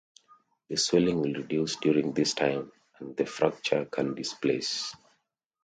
The swelling will reduce during this time and the fracture can displace.